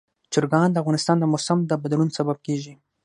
چرګان د افغانستان د موسم د بدلون سبب کېږي.